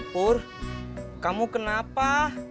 pur kamu kenapa